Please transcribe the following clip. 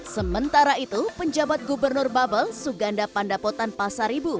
sementara itu penjabat gubernur babel suganda pandapotan pasar ibu